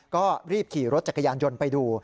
ก็รีบขี่รถจักรยานยนต์ไปดู